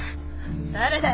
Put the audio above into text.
誰だよ？